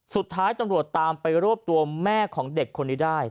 สุดท้ายตำรวจตามไปรวบตัวแม่ของเด็กคนนี้ได้